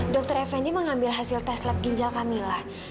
dokter fnd mengambil hasil tes lab ginjal kamila